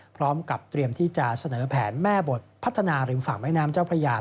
พร้อมกับเตรียมที่จะเสนอแผนแม่บทพัฒนาริมฝั่งแม่น้ำเจ้าพระยา